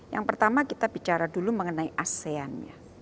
yang pertama kita bicara dulu mengenai asean